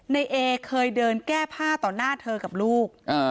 ในเอเคยเดินแก้ผ้าต่อหน้าเธอกับลูก